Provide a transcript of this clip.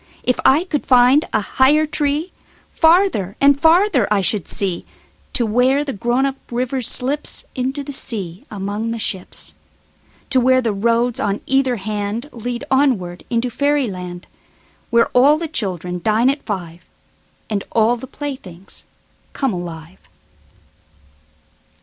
If I could find a higher treeFarther and farther I should see, To where the grown up river slipsInto the sea among the ships. To where the roads on either handLead onward into fairy land, Where all the children dine at five, And all the playthings come alive.